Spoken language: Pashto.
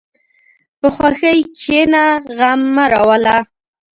په خوښۍ کښېنه، غم مه راوله.